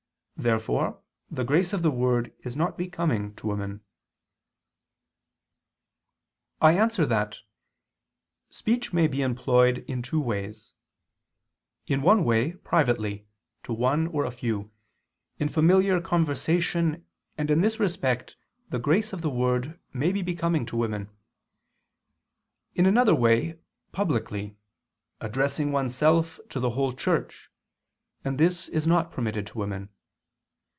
Therefore the grace of the word is not becoming to women. I answer that, Speech may be employed in two ways: in one way privately, to one or a few, in familiar conversation, and in this respect the grace of the word may be becoming to women; in another way, publicly, addressing oneself to the whole church, and this is not permitted to women.